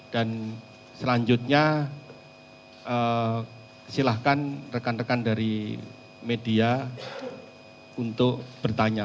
dan selanjutnya silahkan rekan rekan dari media untuk bertanya